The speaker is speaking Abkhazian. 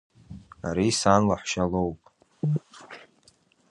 Ари сан лаҳәшьа лоуп.